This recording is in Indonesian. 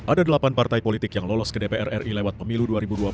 ada delapan partai politik yang lolos ke dpr ri lewat pemilu dua ribu dua puluh